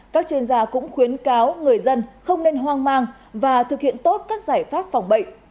các chuyên gia cũng khuyến cáo người dân không nên hoang mang và thực hiện tốt các giải pháp phòng bệnh